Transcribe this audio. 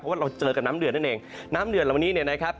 เพราะว่าเราเจอกับน้ำเดือดนั่นเองน้ำเดือนเหล่านี้เนี่ยนะครับ